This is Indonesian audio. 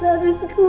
maafkan aku ibu